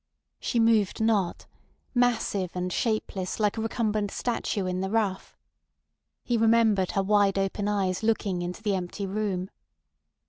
She moved not, massive and shapeless like a recumbent statue in the rough; he remembered her wide open eyes looking into the empty room.